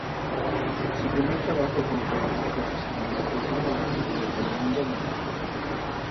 Su primer trabajo como periodista profesional la llevó a la pantalla de Telemundo Amarillo.